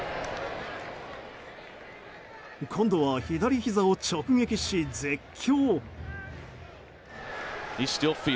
今度は左ひざを直撃し、絶叫。